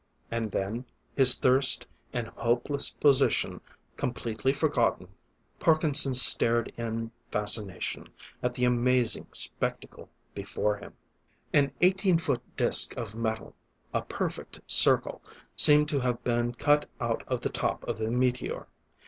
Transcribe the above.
And then, his thirst and hopeless position completely forgotten, Parkinson stared in fascination at the amazing spectacle before him. An eighteen foot disc of metal, a perfect circle, seemed to have been cut out of the top of the meteor.